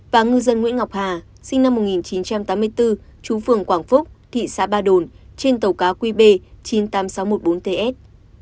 và ngư dân nguyễn ngọc hà sinh năm một nghìn chín trăm tám mươi bốn chú phường quảng phúc thị xã ba đồn trên tàu cá qb chín mươi tám nghìn sáu trăm một mươi bốn ts